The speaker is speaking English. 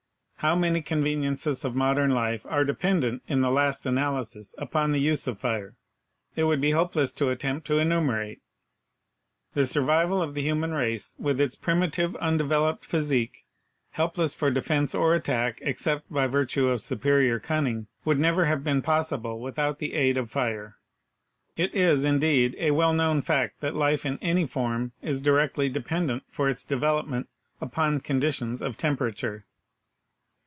How many conveniences of modern life are dependent in the last analysis upon the use of fire, it would be hopeless to attempt to enumerate. The survival of the human race with its primitive undeveloped physique, helpless for defense or attack except by virtue of superior cunning, would never have been possible without the aid of fire. It is, indeed, a well known fact that life in any form is directly dependent for its development upon con ditions of temperature.